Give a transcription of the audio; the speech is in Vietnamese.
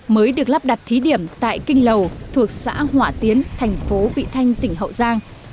mới được lắp đặt thí điểm tại kinh lầu thuộc xã họa tiến thành phố vị thanh tỉnh hậu giang